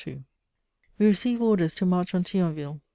* We received orders to march on Thionville.